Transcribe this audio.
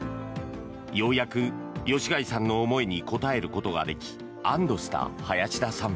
ようやく吉開さんの思いに応えることができ安どした林田さん。